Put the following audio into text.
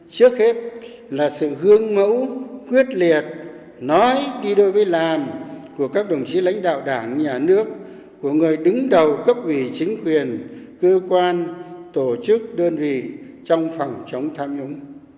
trước hết là sự hương mẫu quyết liệt nói đi đôi với làm của các đồng chí lãnh đạo đảng nhà nước của người đứng đầu cấp ủy chính quyền cơ quan tổ chức đơn vị trong phòng chống tham nhũng